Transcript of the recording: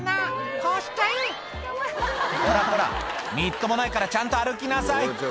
「こうしちゃえ」こらこらみっともないからちゃんと歩きなさい